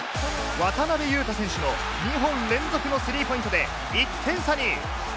渡邊雄太選手の２本連続のスリーポイントで１点差に。